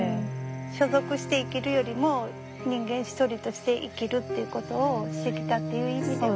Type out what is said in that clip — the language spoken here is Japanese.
所属して生きるよりも人間一人として生きるっていうことをしてきたっていう意味では。